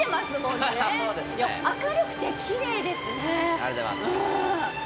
ありがとうございます。